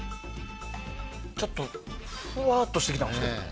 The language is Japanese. ちょっと、ふわーっとしてきたんですけども。